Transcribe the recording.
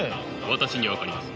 私には分かります。